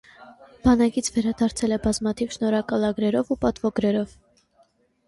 Բանակից վերադարձել է բազմաթիվ շնորհակալագրերով ու պատվոգրերով։